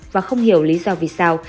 và không hiểu lý do vì sao